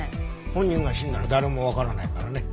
本人が死んだら誰もわからないからね。